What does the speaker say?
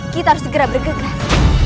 kita harus segera bergegas